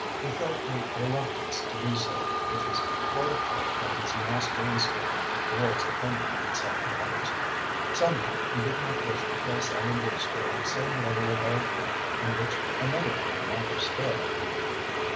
He felt a reluctance to do so which was quite apart from his masculine scorn of a girl's opinion on such matters. Somehow he did not wish to place Ellen Brewster on the same level of argument on which another man might have stood.